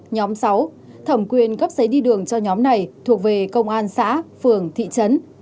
nhóm sáu thẩm quyền cấp giấy đi đường cho nhóm này thuộc về công an xã phường thị trấn